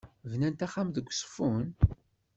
Bnant axxam deg Uzeffun?